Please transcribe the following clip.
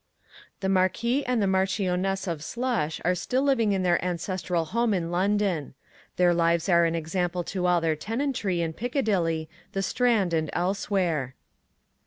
The Marquis and the Marchioness of Slush are still living in their ancestral home in London. Their lives are an example to all their tenantry in Piccadilly, the Strand and elsewhere.